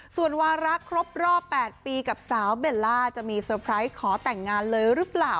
ส่วนวาระครบรอบ๘ปีกับสาวเบลล่าจะมีเซอร์ไพรส์ขอแต่งงานเลยหรือเปล่า